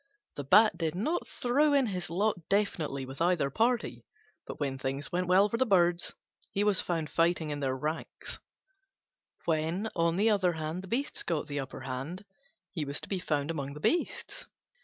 The Bat did not throw in his lot definitely with either party, but when things went well for the Birds he was found fighting in their ranks; when, on the other hand, the Beasts got the upper hand, he was to be found among the Beasts.